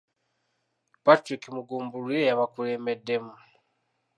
Patrick Mugumbule eyabakulembeddemu.